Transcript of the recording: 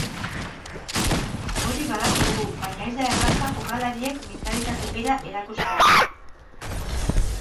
Hori badakigu, baina ez da erraza jokalariek mentalitate bera erakustea.